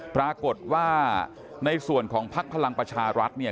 ปรากฏว่าในส่วนของภักดิ์พลังประชารัฐเนี่ย